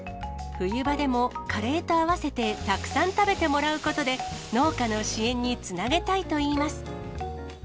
冬場でも、カレーと合わせてたくさん食べてもらうことで、農家の支援につなげたいといいます。